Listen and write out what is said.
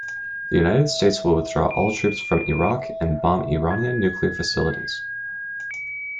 The United States will withdraw all troops from Iraq and bomb Iranian nuclear facilities.